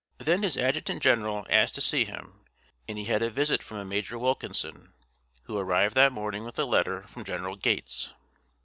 Then his adjutant general asked to see him; and he had a visit from a Major Wilkinson, who arrived that morning with a letter from General Gates.